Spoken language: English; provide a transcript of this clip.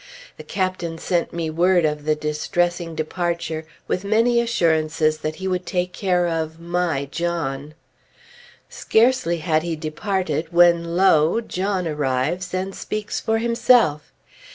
The Captain sent me word of the distressing departure, with many assurances that he would take care of "my" John. Scarcely had he departed, when lo! John arrives, and speaks for himself.